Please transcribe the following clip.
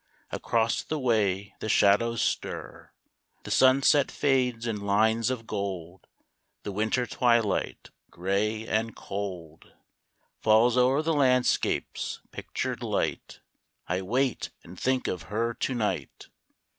Across the way the shadows stir ; The sunset fades in hnes of gold ; The winter twiUght, gray and cold, Falls o'er the landscape's pictured light. I wait, and think of her to night.